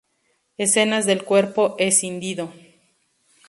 Escenas del cuerpo escindido.